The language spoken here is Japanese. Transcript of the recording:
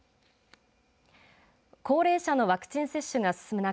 高齢者のワクチン接種が進む中